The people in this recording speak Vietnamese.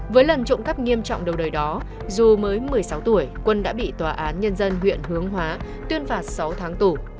với lần trộm cắp nghiêm trọng đầu đời đó dù mới một mươi sáu tuổi quân đã bị tòa án nhân dân huyện hướng hóa tuyên phạt sáu tháng tù